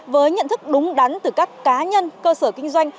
với nhận thức đúng đắn từ các cá nhân cơ sở kinh doanh